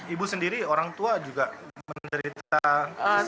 ibu sendiri orang tua juga menderita sesak napas